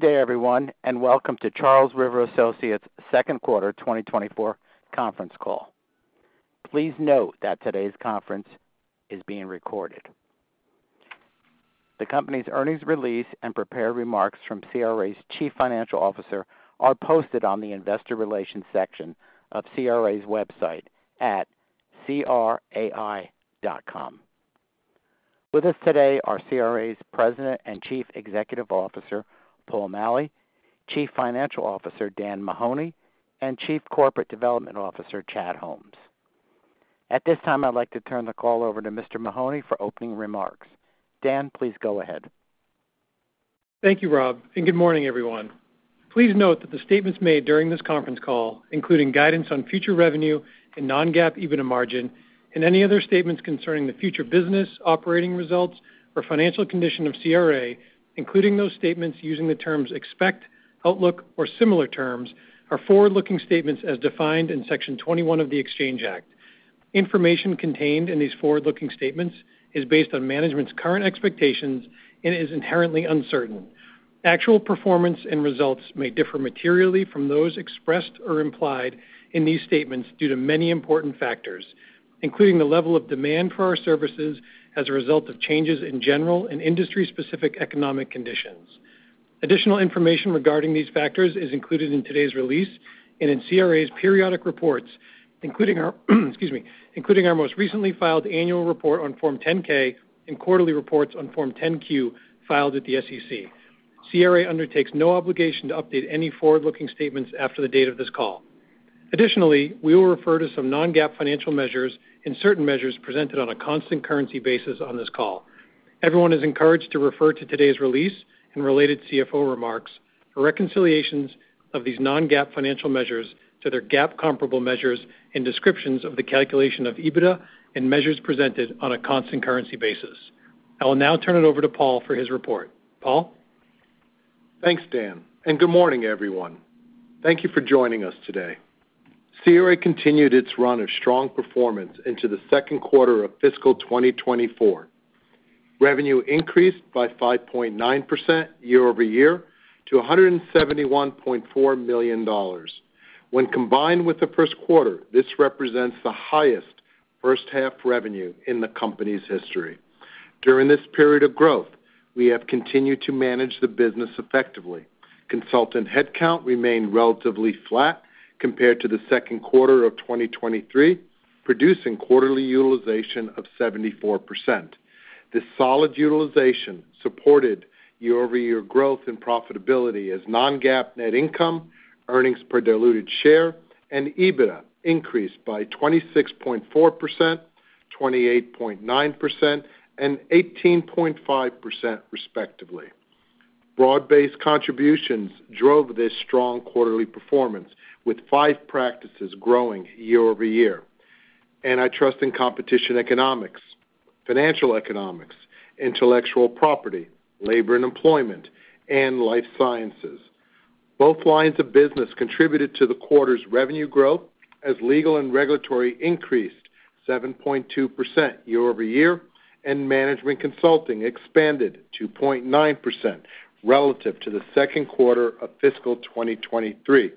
Good day, everyone, and welcome to Charles River Associates' Second Quarter 2024 Conference Call. Please note that today's conference is being recorded. The company's earnings release and prepared remarks from CRA's Chief Financial Officer are posted on the investor relations section of CRA's website at crai.com. With us today are CRA's President and Chief Executive Officer, Paul Maleh, Chief Financial Officer, Dan Mahoney, and Chief Corporate Development Officer, Chad Holmes. At this time, I'd like to turn the call over to Mr. Mahoney for opening remarks. Dan, please go ahead. Thank you, Rob, and good morning, everyone. Please note that the statements made during this conference call, including guidance on future revenue and non-GAAP EBITDA margin and any other statements concerning the future business, operating results, or financial condition of CRA, including those statements using the terms expect, outlook, or similar terms, are forward-looking statements as defined in Section 21 of the Exchange Act. Information contained in these forward-looking statements is based on management's current expectations and is inherently uncertain. Actual performance and results may differ materially from those expressed or implied in these statements due to many important factors, including the level of demand for our services as a result of changes in general and industry-specific economic conditions. Additional information regarding these factors is included in today's release and in CRA's periodic reports, including our, excuse me, including our most recently filed annual report on Form 10-K and quarterly reports on Form 10-Q, filed with the SEC. CRA undertakes no obligation to update any forward-looking statements after the date of this call. Additionally, we will refer to some non-GAAP financial measures and certain measures presented on a constant currency basis on this call. Everyone is encouraged to refer to today's release and related CFO remarks for reconciliations of these non-GAAP financial measures to their GAAP comparable measures and descriptions of the calculation of EBITDA and measures presented on a constant currency basis. I will now turn it over to Paul for his report. Paul? Thanks, Dan, and good morning, everyone. Thank you for joining us today. CRA continued its run of strong performance into the second quarter of fiscal 2024. Revenue increased by 5.9% year-over-year to $171.4 million. When combined with the first quarter, this represents the highest first half revenue in the company's history. During this period of growth, we have continued to manage the business effectively. Consultant headcount remained relatively flat compared to the second quarter of 2023, producing quarterly utilization of 74%. This solid utilization supported year-over-year growth and profitability as non-GAAP net income, earnings per diluted share, and EBITDA increased by 26.4%, 28.9%, and 18.5%, respectively. Broad-based contributions drove this strong quarterly performance, with five practices growing year-over-year: antitrust and competition economics, financial economics, intellectual property, labor and employment, and life sciences. Both lines of business contributed to the quarter's revenue growth, as legal and regulatory increased 7.2% year-over-year, and management consulting expanded 2.9% relative to the second quarter of fiscal 2023.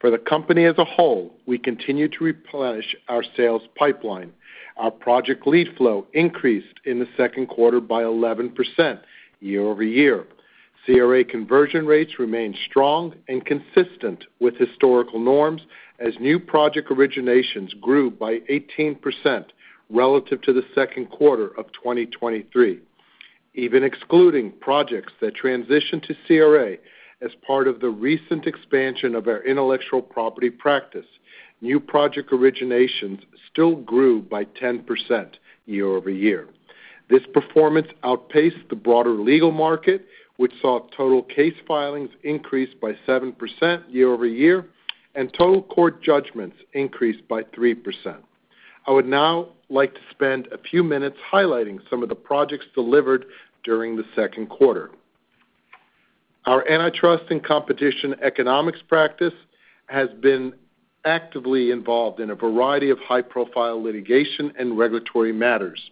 For the company as a whole, we continue to replenish our sales pipeline. Our project lead flow increased in the second quarter by 11% year-over-year. CRA conversion rates remained strong and consistent with historical norms as new project originations grew by 18% relative to the second quarter of 2023. Even excluding projects that transitioned to CRA as part of the recent expansion of our intellectual property practice, new project originations still grew by 10% year-over-year. This performance outpaced the broader legal market, which saw total case filings increase by 7% year-over-year, and total court judgments increase by 3%. I would now like to spend a few minutes highlighting some of the projects delivered during the second quarter. Our antitrust and competition economics practice has been actively involved in a variety of high-profile litigation and regulatory matters.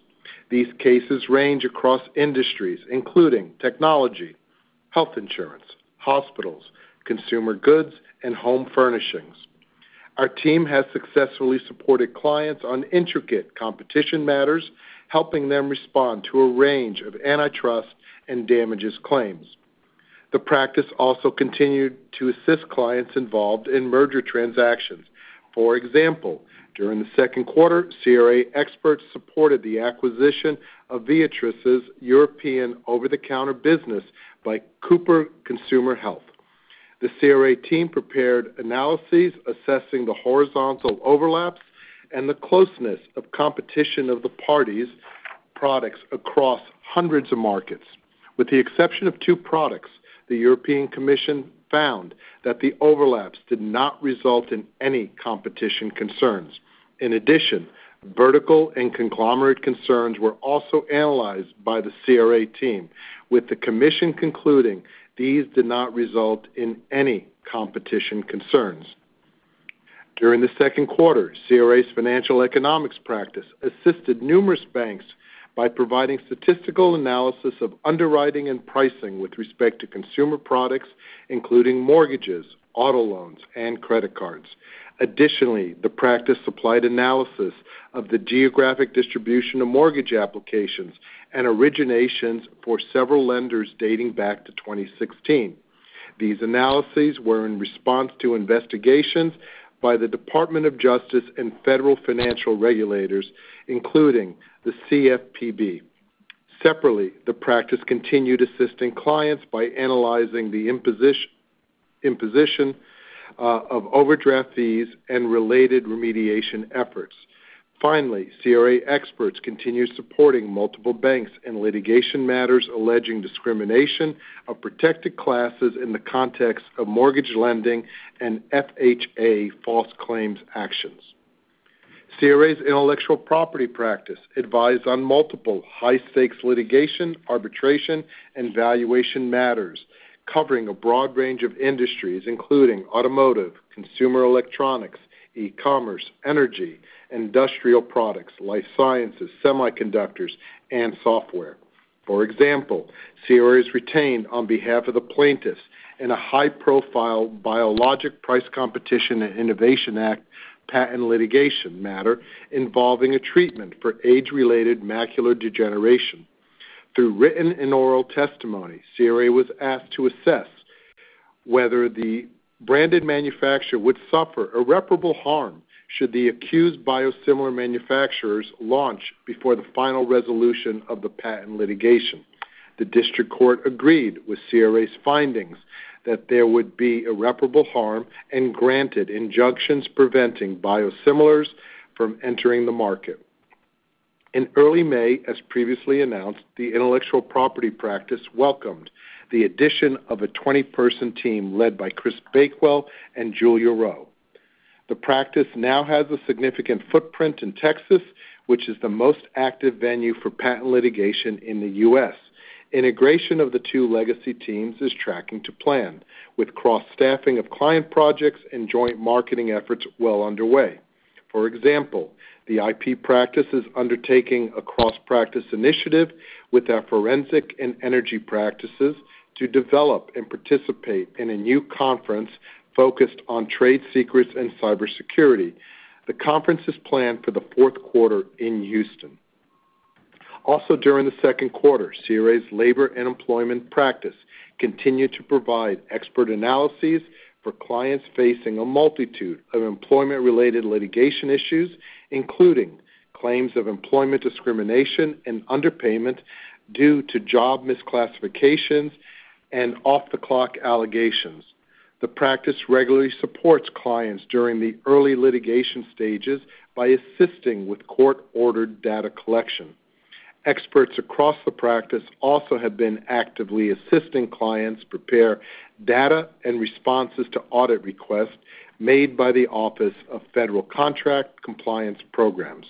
These cases range across industries, including technology, health insurance, hospitals, consumer goods, and home furnishings. Our team has successfully supported clients on intricate competition matters, helping them respond to a range of antitrust and damages claims. The practice also continued to assist clients involved in merger transactions. For example, during the second quarter, CRA experts supported the acquisition of Viatris' European over-the-counter business by Cooper Consumer Health. The CRA team prepared analyses assessing the horizontal overlaps and the closeness of competition of the parties' products across hundreds of markets. With the exception of two products, the European Commission found that the overlaps did not result in any competition concerns. In addition, vertical and conglomerate concerns were also analyzed by the CRA team, with the commission concluding these did not result in any competition concerns. During the second quarter, CRA's financial economics practice assisted numerous banks by providing statistical analysis of underwriting and pricing with respect to consumer products, including mortgages, auto loans, and credit cards. Additionally, the practice supplied analysis of the geographic distribution of mortgage applications and originations for several lenders dating back to 2016. These analyses were in response to investigations by the Department of Justice and federal financial regulators, including the CFPB. Separately, the practice continued assisting clients by analyzing the imposition of overdraft fees and related remediation efforts. Finally, CRA experts continued supporting multiple banks in litigation matters alleging discrimination of protected classes in the context of mortgage lending and FHA false claims actions. CRA's intellectual property practice advised on multiple high-stakes litigation, arbitration, and valuation matters, covering a broad range of industries, including automotive, consumer electronics, e-commerce, energy, industrial products, life sciences, semiconductors, and software. For example, CRA is retained on behalf of the plaintiffs in a high-profile Biologics Price Competition and Innovation Act, patent litigation matter involving a treatment for age-related macular degeneration. Through written and oral testimony, CRA was asked to assess whether the branded manufacturer would suffer irreparable harm, should the accused biosimilar manufacturers launch before the final resolution of the patent litigation. The district court agreed with CRA's findings that there would be irreparable harm and granted injunctions preventing biosimilars from entering the market. In early May, as previously announced, the intellectual property practice welcomed the addition of a 20-person team led by Chris Bakewell and Julia Rowe. The practice now has a significant footprint in Texas, which is the most active venue for patent litigation in the U.S. Integration of the two legacy teams is tracking to plan, with cross-staffing of client projects and joint marketing efforts well underway. For example, the IP practice is undertaking a cross-practice initiative with our forensic and energy practices to develop and participate in a new conference focused on trade secrets and cybersecurity. The conference is planned for the fourth quarter in Houston. Also, during the second quarter, CRA's labor and employment practice continued to provide expert analyses for clients facing a multitude of employment-related litigation issues, including claims of employment discrimination and underpayment due to job misclassifications and off-the-clock allegations. The practice regularly supports clients during the early litigation stages by assisting with court-ordered data collection. Experts across the practice also have been actively assisting clients prepare data and responses to audit requests made by the Office of Federal Contract Compliance Programs.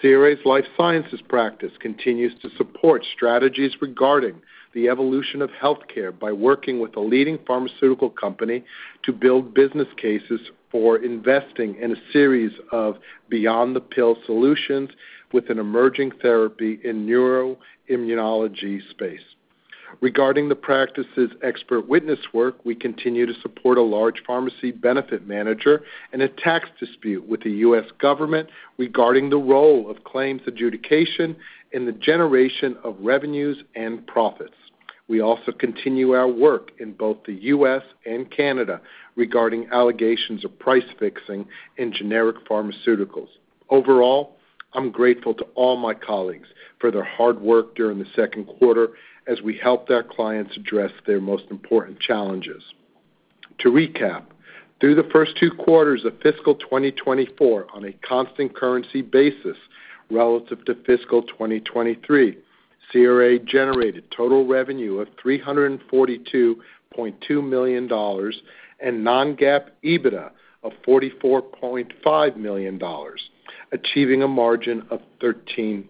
CRA's life sciences practice continues to support strategies regarding the evolution of healthcare by working with a leading pharmaceutical company to build business cases for investing in a series of beyond the pill solutions with an emerging therapy in neuroimmunology space. Regarding the practice's expert witness work, we continue to support a large pharmacy benefit manager in a tax dispute with the U.S. government regarding the role of claims adjudication in the generation of revenues and profits. We also continue our work in both the U.S. and Canada regarding allegations of price fixing in generic pharmaceuticals. Overall, I'm grateful to all my colleagues for their hard work during the second quarter as we helped our clients address their most important challenges. To recap, through the first two quarters of fiscal 2024, on a constant currency basis relative to fiscal 2023, CRA generated total revenue of $342.2 million and non-GAAP EBITDA of $44.5 million, achieving a margin of 13%.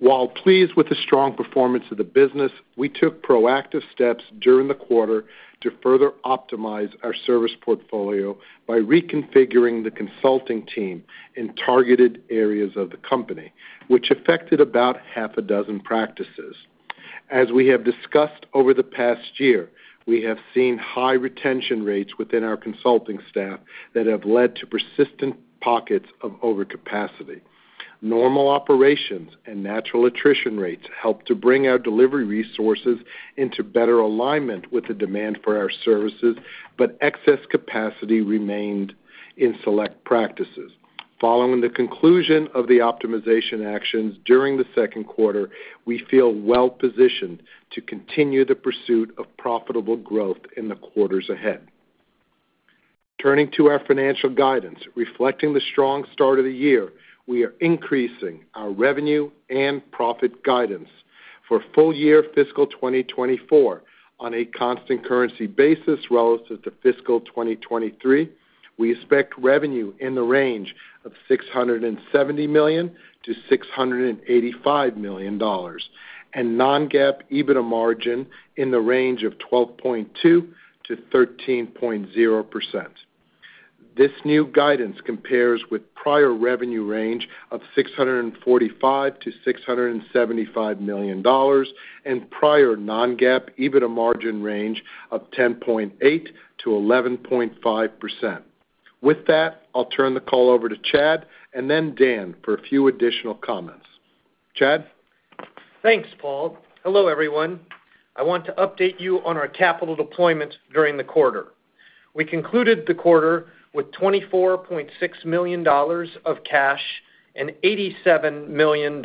While pleased with the strong performance of the business, we took proactive steps during the quarter to further optimize our service portfolio by reconfiguring the consulting team in targeted areas of the company, which affected about half a dozen practices. As we have discussed over the past year, we have seen high retention rates within our consulting staff that have led to persistent pockets of overcapacity. Normal operations and natural attrition rates helped to bring our delivery resources into better alignment with the demand for our services, but excess capacity remained in select practices. Following the conclusion of the optimization actions during the second quarter, we feel well positioned to continue the pursuit of profitable growth in the quarters ahead. Turning to our financial guidance, reflecting the strong start of the year, we are increasing our revenue and profit guidance for full year fiscal 2024 on a constant currency basis relative to fiscal 2023. We expect revenue in the range of $670-$685 million, and non-GAAP EBITDA margin in the range of 12.2%-13.0%. This new guidance compares with prior revenue range of $645-$675 million, and prior non-GAAP EBITDA margin range of 10.8%-11.5%. With that, I'll turn the call over to Chad and then Dan for a few additional comments. Chad? Thanks, Paul. Hello, everyone. I want to update you on our capital deployment during the quarter. We concluded the quarter with $24.6 million of cash and $87 million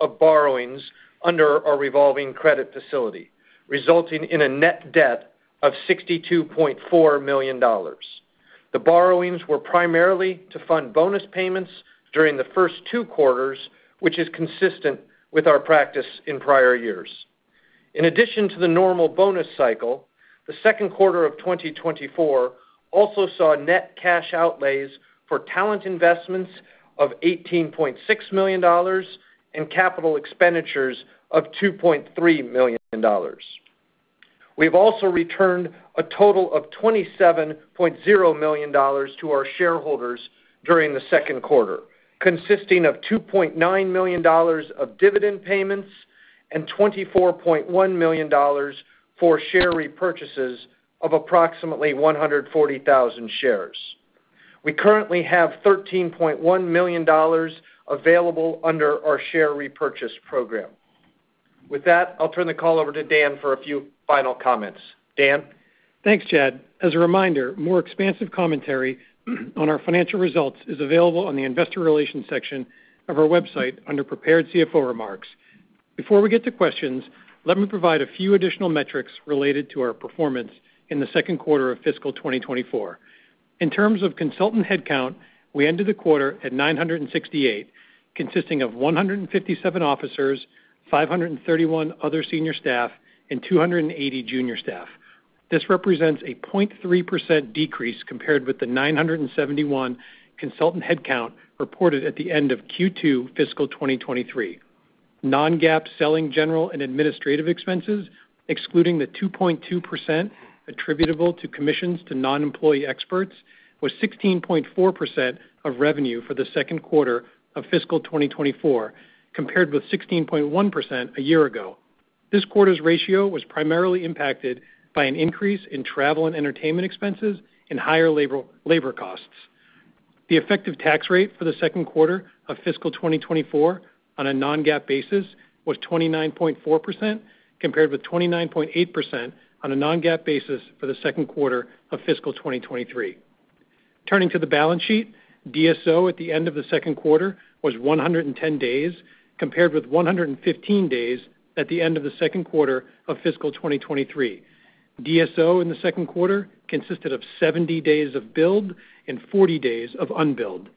of borrowings under our revolving credit facility, resulting in a net debt of $62.4 million. The borrowings were primarily to fund bonus payments during the first two quarters, which is consistent with our practice in prior years. In addition to the normal bonus cycle, the second quarter of 2024 also saw net cash outlays for talent investments of $18.6 million and capital expenditures of $2.3 million. We've also returned a total of $27.0 million to our shareholders during the second quarter, consisting of $2.9 million of dividend payments and $24.1 million for share repurchases of approximately 140,000 shares. We currently have $13.1 million available under our share repurchase program. With that, I'll turn the call over to Dan for a few final comments. Dan? Thanks, Chad. As a reminder, more expansive commentary on our financial results is available on the investor relations section of our website under Prepared CFO Remarks. Before we get to questions, let me provide a few additional metrics related to our performance in the second quarter of fiscal 2024. In terms of consultant headcount, we ended the quarter at 968, consisting of 157 officers, 531 other senior staff, and 280 junior staff. This represents a 0.3% decrease compared with the 971 consultant headcount reported at the end of Q2 fiscal 2023. Non-GAAP selling general and administrative expenses, excluding the 2.2% attributable to commissions to non-employee experts, was 16.4% of revenue for the second quarter of fiscal 2024, compared with 16.1% a year ago. This quarter's ratio was primarily impacted by an increase in travel and entertainment expenses and higher labor, labor costs. The effective tax rate for the second quarter of fiscal 2024 on a non-GAAP basis was 29.4%, compared with 29.8% on a non-GAAP basis for the second quarter of fiscal 2023. Turning to the balance sheet, DSO at the end of the second quarter was 110 days, compared with 115 days at the end of the second quarter of fiscal 2023. DSO in the second quarter consisted of 70 days of billed and 40 days of unbilled.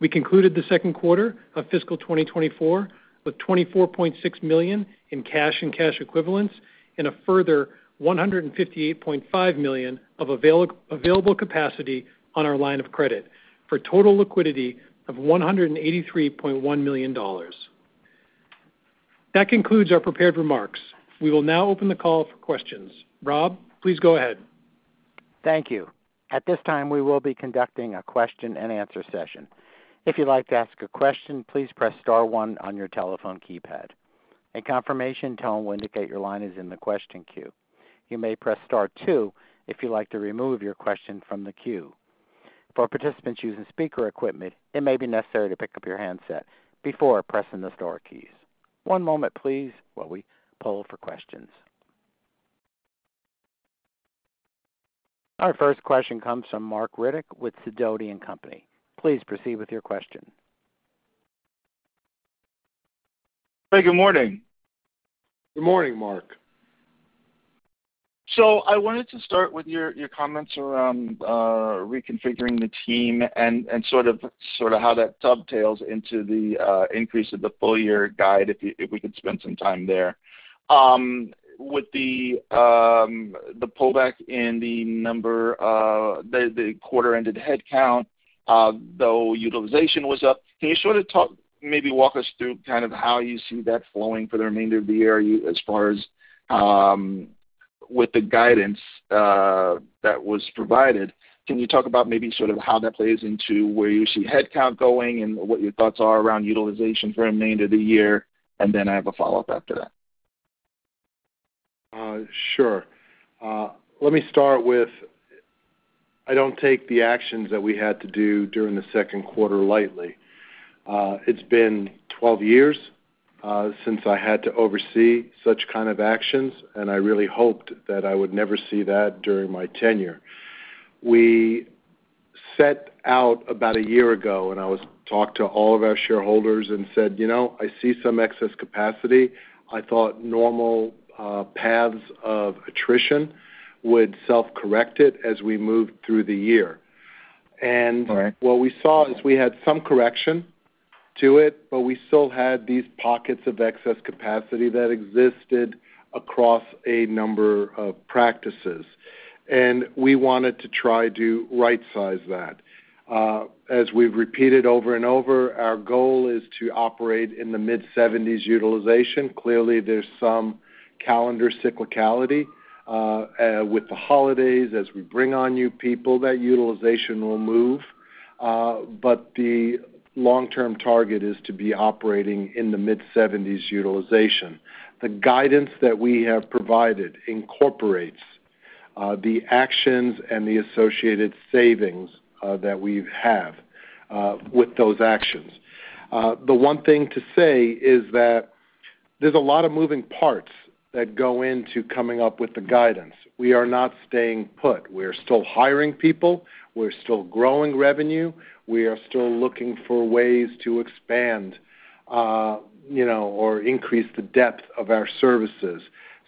We concluded the second quarter of fiscal 2024 with $24.6 million in cash and cash equivalents, and a further $158.5 million of available capacity on our line of credit, for total liquidity of $183.1 million. That concludes our prepared remarks. We will now open the call for questions. Rob, please go ahead. Thank you. At this time, we will be conducting a question-and-answer session. If you'd like to ask a question, please press star one on your telephone keypad. A confirmation tone will indicate your line is in the question queue. You may press star two if you'd like to remove your question from the queue. For participants using speaker equipment, it may be necessary to pick up your handset before pressing the star keys. One moment, please, while we poll for questions. Our first question comes from Marc Riddick with Sidoti & Company. Please proceed with your question. Hey, good morning. Good morning, Mark. So I wanted to start with your comments around reconfiguring the team and sort of how that dovetails into the increase of the full year guide, if we could spend some time there. With the pullback in the number of the quarter-ended headcount, though utilization was up, can you sort of talk, maybe walk us through kind of how you see that flowing for the remainder of the year, as far as with the guidance that was provided, can you talk about maybe sort of how that plays into where you see headcount going and what your thoughts are around utilization for the remainder of the year? And then I have a follow-up after that. Sure. Let me start with, I don't take the actions that we had to do during the second quarter lightly. It's been 12 years since I had to oversee such kind of actions, and I really hoped that I would never see that during my tenure. We set out about a year ago, and I was talking to all of our shareholders and said, "You know, I see some excess capacity." I thought normal paths of attrition would self-correct it as we moved through the year. All right. What we saw is we had some correction to it, but we still had these pockets of excess capacity that existed across a number of practices, and we wanted to try to rightsize that. As we've repeated over and over, our goal is to operate in the mid-seventies utilization. Clearly, there's some calendar cyclicality with the holidays. As we bring on new people, that utilization will move. But the long-term target is to be operating in the mid-seventies utilization. The guidance that we have provided incorporates the actions and the associated savings that we have with those actions. The one thing to say is that there's a lot of moving parts that go into coming up with the guidance. We are not staying put. We are still hiring people, we're still growing revenue, we are still looking for ways to expand, you know, or increase the depth of our services.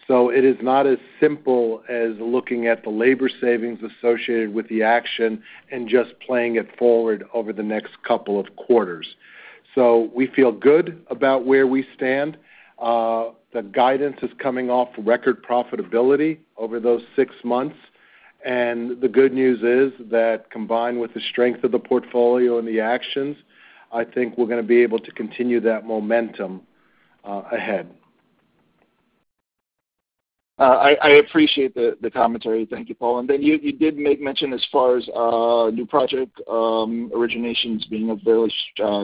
So it is not as simple as looking at the labor savings associated with the action and just playing it forward over the next couple of quarters. So we feel good about where we stand. The guidance is coming off record profitability over those six months, and the good news is that combined with the strength of the portfolio and the actions, I think we're gonna be able to continue that momentum, ahead. I appreciate the commentary. Thank you, Paul. And then you did make mention as far as new project originations being up very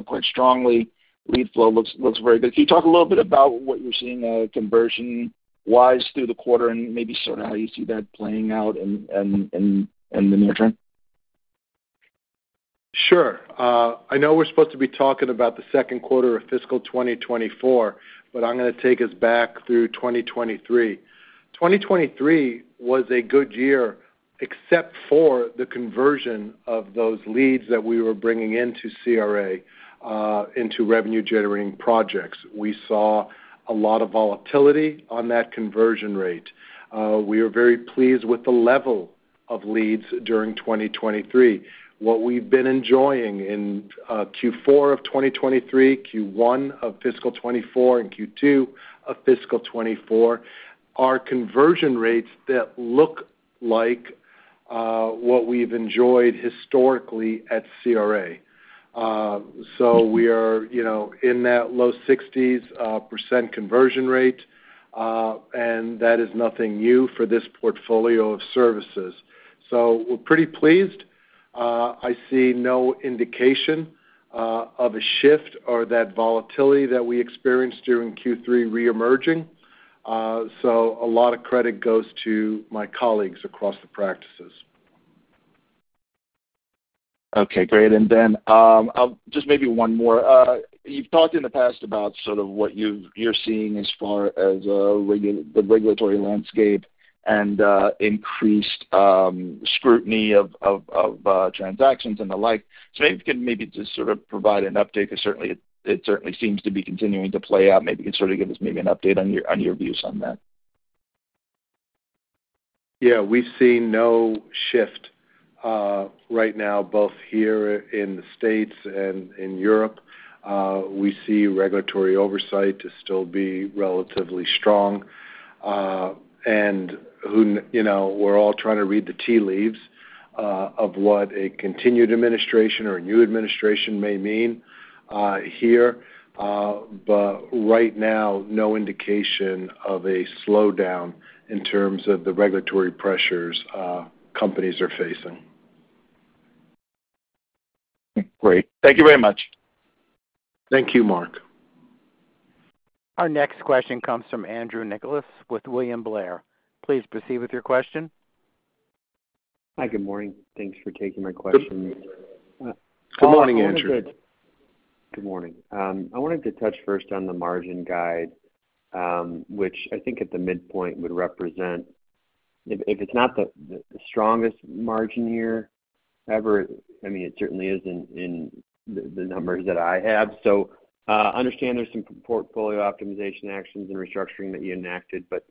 quite strongly. Lead flow looks very good. Can you talk a little bit about what you're seeing conversion-wise through the quarter and maybe sort of how you see that playing out in the near term? Sure. I know we're supposed to be talking about the second quarter of fiscal 2024, but I'm gonna take us back through 2023. 2023 was a good year, except for the conversion of those leads that we were bringing into CRA into revenue-generating projects. We saw a lot of volatility on that conversion rate. We are very pleased with the level of leads during 2023. What we've been enjoying in Q4 of 2023, Q1 of fiscal 2024, and Q2 of fiscal 2024 are conversion rates that look like what we've enjoyed historically at CRA. So we are, you know, in that low 60s% conversion rate, and that is nothing new for this portfolio of services. So we're pretty pleased. I see no indication of a shift or that volatility that we experienced during Q3 reemerging. So a lot of credit goes to my colleagues across the practices. Okay, great. And then, I'll just maybe one more. You've talked in the past about sort of what you're seeing as far as the regulatory landscape and increased scrutiny of transactions and the like. So maybe you can maybe just sort of provide an update, 'cause it certainly seems to be continuing to play out. Maybe you can sort of give us maybe an update on your views on that. Yeah, we've seen no shift, right now, both here in the States and in Europe. We see regulatory oversight to still be relatively strong. And who, you know, we're all trying to read the tea leaves, of what a continued administration or a new administration may mean, here. But right now, no indication of a slowdown in terms of the regulatory pressures, companies are facing. Great. Thank you very much. Thank you, Mark. Our next question comes from Andrew Nicholas with William Blair. Please proceed with your question. Hi, good morning. Thanks for taking my question. Good morning, Andrew. Good morning. I wanted to touch first on the margin guide, which I think at the midpoint would represent, if it's not the strongest margin year ever, I mean, it certainly is in the numbers that I have. So, understand there's some portfolio optimization actions and restructuring that you enacted, but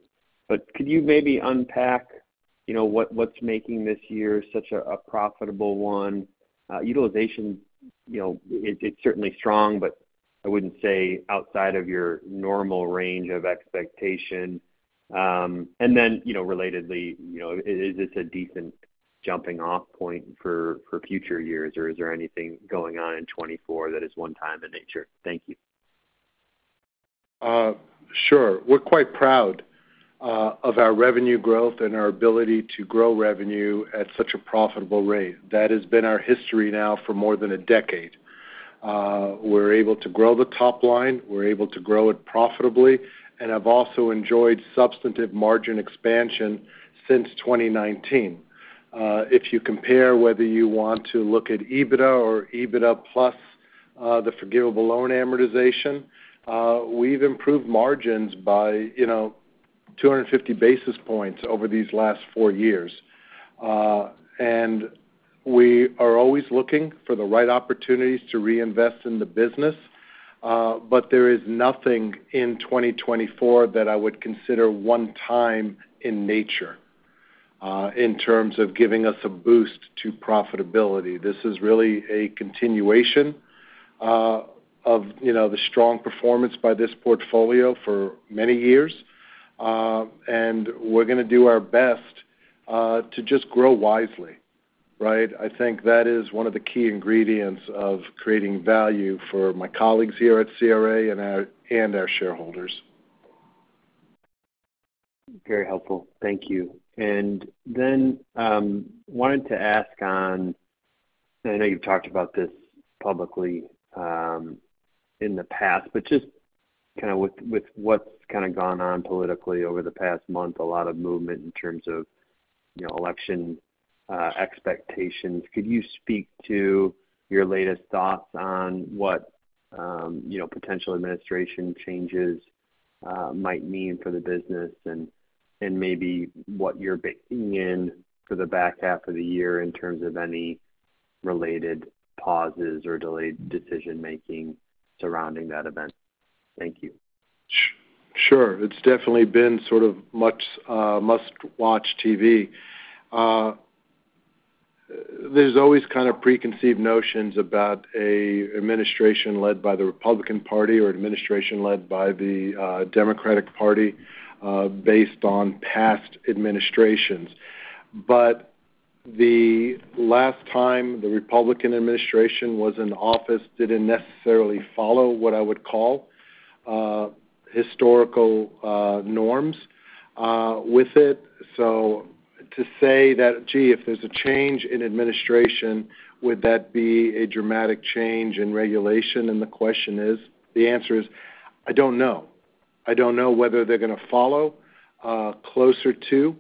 could you maybe unpack, you know, what's making this year such a profitable one? Utilization, you know, it's certainly strong, but I wouldn't say outside of your normal range of expectation. And then, you know, relatedly, you know, is this a decent jumping off point for future years, or is there anything going on in 2024 that is one time in nature? Thank you. Sure. We're quite proud of our revenue growth and our ability to grow revenue at such a profitable rate. That has been our history now for more than a decade. We're able to grow the top line, we're able to grow it profitably, and have also enjoyed substantive margin expansion since 2019. If you compare whether you want to look at EBITDA or EBITDA plus the forgivable loan amortization, we've improved margins by, you know, 250 basis points over these last four years. And we are always looking for the right opportunities to reinvest in the business, but there is nothing in 2024 that I would consider one-time in nature in terms of giving us a boost to profitability. This is really a continuation of, you know, the strong performance by this portfolio for many years. And we're gonna do our best to just grow wisely, right? I think that is one of the key ingredients of creating value for my colleagues here at CRA and our, and our shareholders. Very helpful. Thank you. And then wanted to ask on, I know you've talked about this publicly in the past, but just kinda with what's kinda gone on politically over the past month, a lot of movement in terms of, you know, election expectations, could you speak to your latest thoughts on what, you know, potential administration changes might mean for the business? And maybe what you're baking in for the back half of the year in terms of any related pauses or delayed decision-making surrounding that event. Thank you. Sure. It's definitely been sort of much, must-watch TV. There's always kind of preconceived notions about a administration led by the Republican Party or administration led by the, Democratic Party, based on past administrations. But the last time the Republican administration was in office didn't necessarily follow what I would call, historical, norms, with it. So to say that, "Gee, if there's a change in administration, would that be a dramatic change in regulation?" And the question is, the answer is, I don't know. I don't know whether they're gonna follow, closer to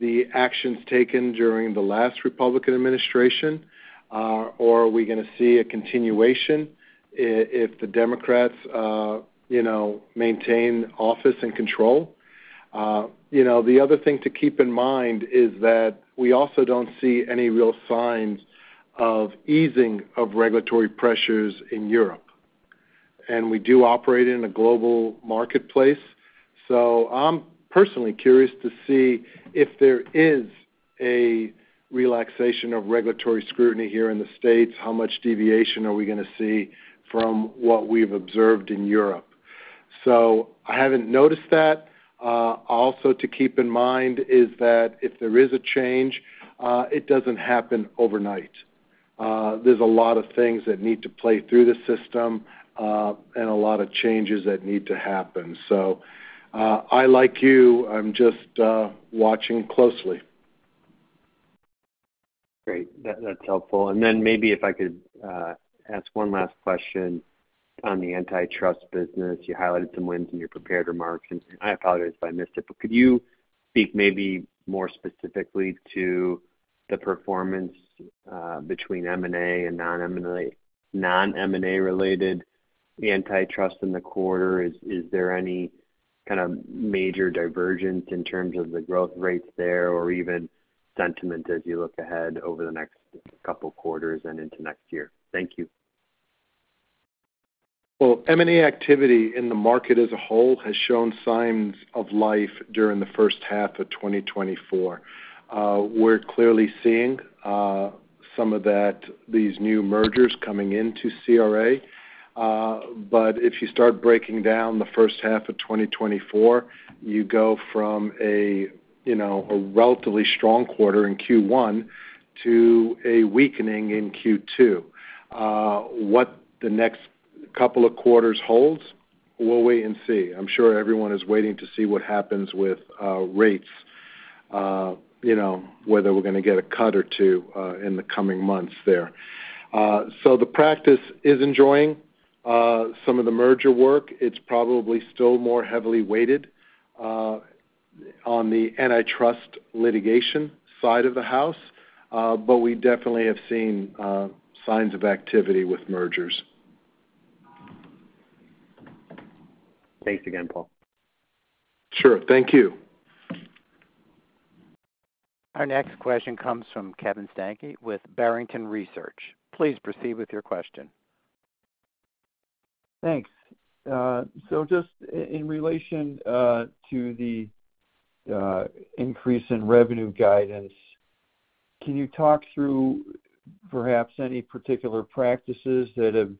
the actions taken during the last Republican administration, or are we gonna see a continuation if the Democrats, you know, maintain office and control. You know, the other thing to keep in mind is that we also don't see any real signs of easing of regulatory pressures in Europe, and we do operate in a global marketplace. So I'm personally curious to see if there is a relaxation of regulatory scrutiny here in the States, how much deviation are we gonna see from what we've observed in Europe? So I haven't noticed that. Also to keep in mind is that if there is a change, it doesn't happen overnight. There's a lot of things that need to play through the system, and a lot of changes that need to happen. So, I, like you, I'm just watching closely. Great. That's helpful. And then maybe if I could ask one last question on the antitrust business. You highlighted some wins in your prepared remarks, and I apologize if I missed it, but could you speak maybe more specifically to the performance between M&A and non-M&A, non-M&A-related antitrust in the quarter? Is there any kind of major divergence in terms of the growth rates there, or even sentiment as you look ahead over the next couple quarters and into next year? Thank you. Well, M&A activity in the market as a whole has shown signs of life during the first half of 2024. We're clearly seeing some of that, these new mergers coming into CRA. But if you start breaking down the first half of 2024, you go from a, you know, a relatively strong quarter in Q1 to a weakening in Q2. What the next couple of quarters holds, we'll wait and see. I'm sure everyone is waiting to see what happens with rates, you know, whether we're gonna get a cut or two in the coming months there. So the practice is enjoying some of the merger work. It's probably still more heavily weighted on the antitrust litigation side of the house, but we definitely have seen signs of activity with mergers. Thanks again, Paul. Sure. Thank you. Our next question comes from Kevin Steinke with Barrington Research. Please proceed with your question. Thanks. So just in relation to the increase in revenue guidance, can you talk through perhaps any particular practices that have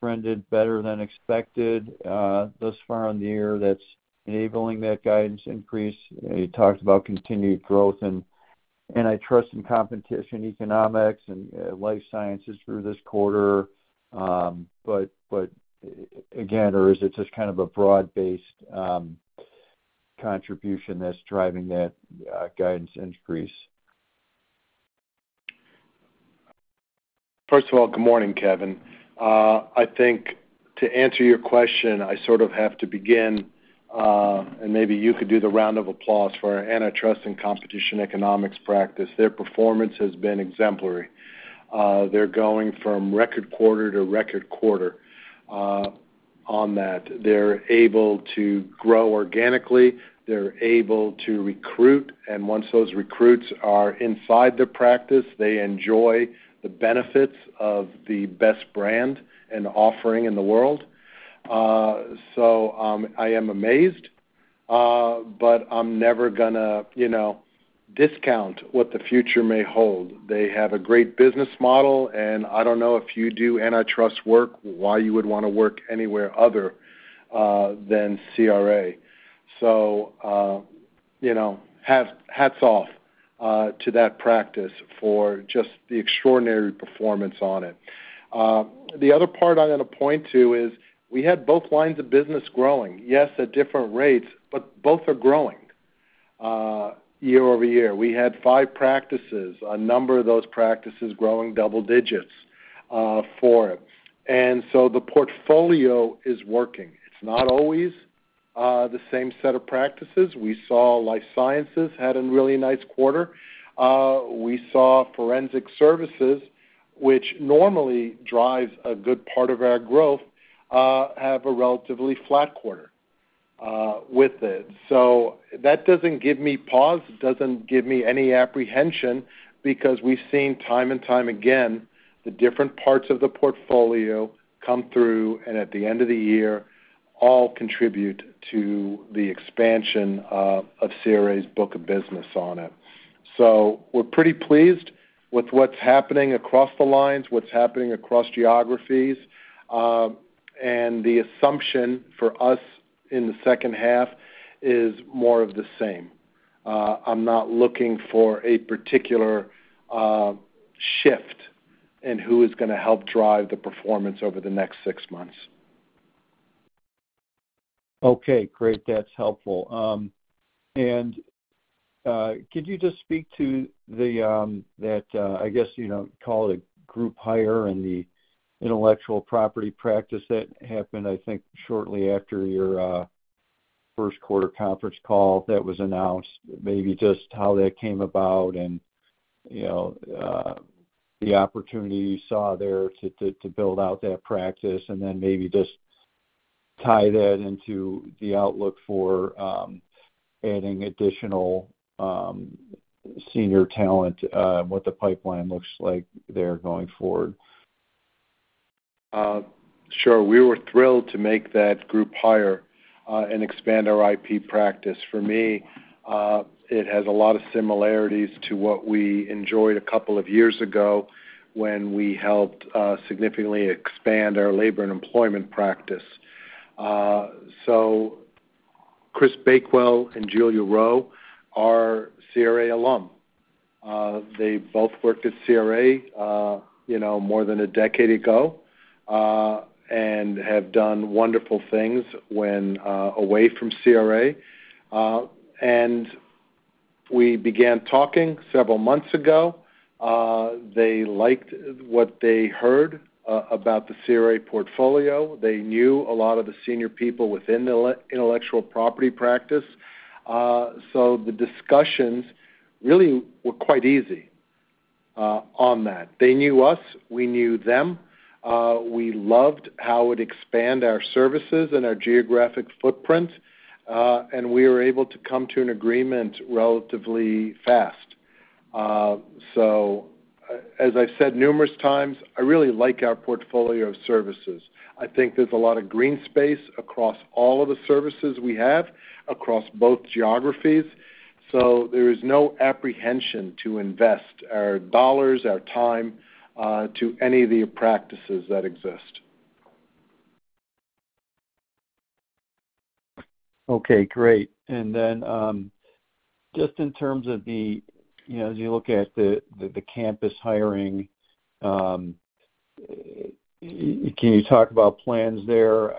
trended better than expected thus far on the year that's enabling that guidance increase? You talked about continued growth and antitrust and competition economics and life sciences for this quarter, but again, or is it just kind of a broad-based contribution that's driving that guidance increase? First of all, good morning, Kevin. I think to answer your question, I sort of have to begin, and maybe you could do the round of applause for our antitrust and competition economics practice. Their performance has been exemplary. They're going from record quarter to record quarter, on that. They're able to grow organically, they're able to recruit, and once those recruits are inside the practice, they enjoy the benefits of the best brand and offering in the world. So, I am amazed, but I'm never gonna, you know, discount what the future may hold. They have a great business model, and I don't know, if you do antitrust work, why you would wanna work anywhere other than CRA. So, you know, hats off to that practice for just the extraordinary performance on it. The other part I'm gonna point to is we had both lines of business growing. Yes, at different rates, but both are growing, year-over-year. We had five practices, a number of those practices growing double digits, for it. And so the portfolio is working. It's not always, the same set of practices. We saw life sciences had a really nice quarter. We saw forensic services, which normally drives a good part of our growth, have a relatively flat quarter, with it. So that doesn't give me pause, it doesn't give me any apprehension, because we've seen time and time again, the different parts of the portfolio come through, and at the end of the year, all contribute to the expansion of, of CRA's book of business on it. We're pretty pleased with what's happening across the lines, what's happening across geographies. The assumption for us in the second half is more of the same. I'm not looking for a particular shift in who is gonna help drive the performance over the next six months. Okay, great. That's helpful. Could you just speak to that, I guess, you know, call it group hire in the intellectual property practice that happened, I think, shortly after your first quarter conference call that was announced? Maybe just how that came about and, you know, the opportunity you saw there to build out that practice, and then maybe just tie that into the outlook for adding additional senior talent, what the pipeline looks like there going forward. Sure. We were thrilled to make that group hire, and expand our IP practice. For me, it has a lot of similarities to what we enjoyed a couple of years ago when we helped, significantly expand our labor and employment practice. So Chris Bakewell and Julia Rowe are CRA alum. They both worked at CRA, you know, more than a decade ago, and have done wonderful things when, away from CRA. And we began talking several months ago. They liked what they heard, about the CRA portfolio. They knew a lot of the senior people within the intellectual property practice. So the discussions really were quite easy, on that. They knew us, we knew them. We loved how it expand our services and our geographic footprint, and we were able to come to an agreement relatively fast. So as I've said numerous times, I really like our portfolio of services. I think there's a lot of green space across all of the services we have, across both geographies, so there is no apprehension to invest our dollars, our time, to any of the practices that exist. Okay, great. And then, just in terms of the... You know, as you look at the campus hiring, can you talk about plans there?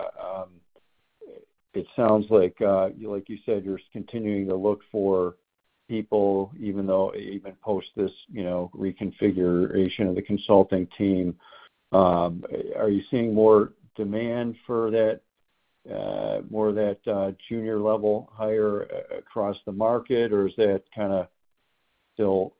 It sounds like, like you said, you're continuing to look for people, even though even post this, you know, reconfiguration of the consulting team. Are you seeing more demand for that, more of that, junior level hire across the market, or is that kinda still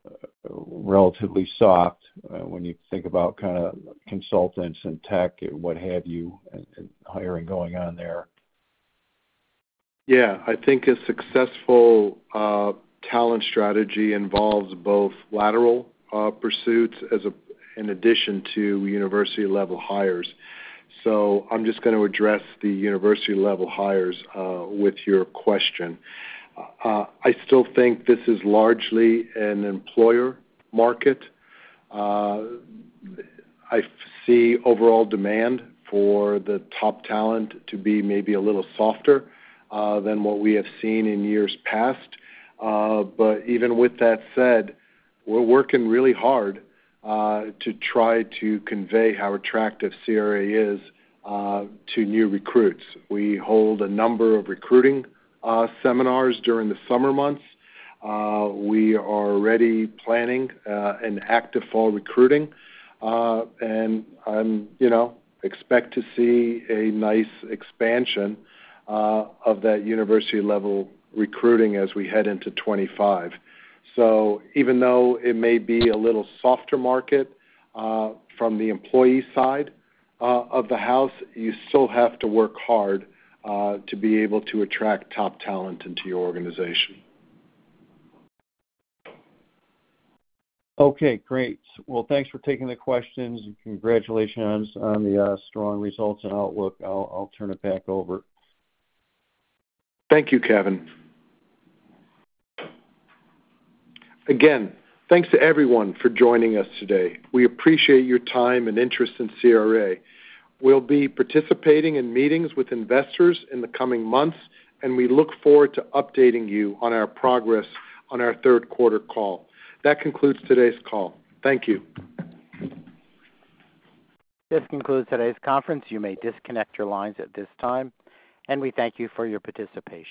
relatively soft, when you think about kinda consultants and tech and what have you, and hiring going on there? Yeah, I think a successful talent strategy involves both lateral pursuits in addition to university-level hires. So I'm just gonna address the university-level hires with your question. I still think this is largely an employer market. I see overall demand for the top talent to be maybe a little softer than what we have seen in years past. But even with that said, we're working really hard to try to convey how attractive CRA is to new recruits. We hold a number of recruiting seminars during the summer months. We are already planning an active fall recruiting, and I'm... you know, expect to see a nice expansion of that university-level recruiting as we head into 2025. So even though it may be a little softer market, from the employee side of the house, you still have to work hard to be able to attract top talent into your organization. Okay, great. Well, thanks for taking the questions, and congratulations on the strong results and outlook. I'll turn it back over. Thank you, Kevin. Again, thanks to everyone for joining us today. We appreciate your time and interest in CRA. We'll be participating in meetings with investors in the coming months, and we look forward to updating you on our progress on our third quarter call. That concludes today's call. Thank you. This concludes today's conference. You may disconnect your lines at this time, and we thank you for your participation.